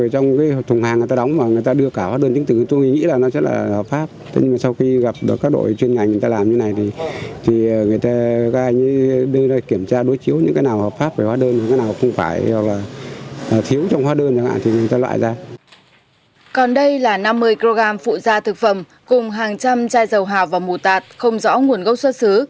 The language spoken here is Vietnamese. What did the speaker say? còn đây là năm mươi kg phụ gia thực phẩm cùng hàng trăm chai dầu hào và mù tạt không rõ nguồn gốc xuất xứ